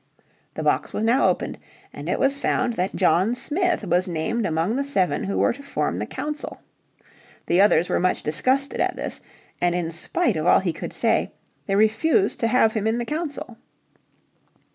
The box was now opened, and it was found that John Smith was named among the seven who were to form the council. The others were much disgusted at this, and in spite of all he could say, they refused to have him in the council.